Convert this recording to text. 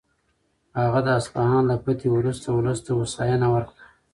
هغه د اصفهان له فتحې وروسته ولس ته هوساینه ورکړه.